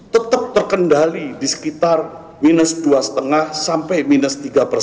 tetap terkendali di sekitar minus dua lima sampai minus tiga persen